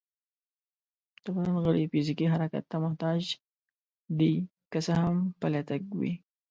د بدن غړي فزيکي حرکت ته محتاج دي، که څه هم پلی تګ وي